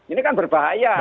ini kan berbahaya